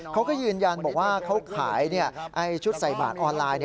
เขาก็ยืนยันบอกว่าเขาขายชุดใส่บาทออนไลน์